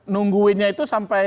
nungguinnya itu sampai